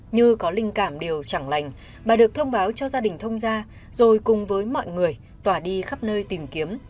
như có linh cảm đều chẳng lành bà được thông báo cho gia đình thông gia rồi cùng với mọi người tỏa đi khắp nơi tìm kiếm